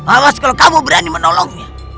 awas kalau kamu berani menolongnya